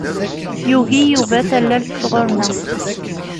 Yugi Yuba tallalt sɣur-neɣ.